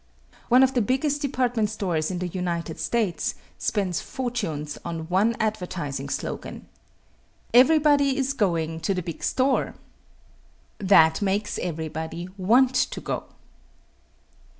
One of the biggest department stores in the United States spends fortunes on one advertising slogan: "Everybody is going to the big store." That makes everybody want to go.